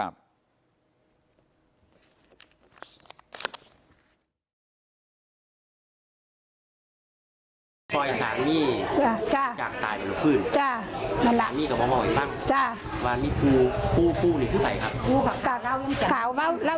มีรองเสียชีวิตแต่ตอนไหนเราฟื้น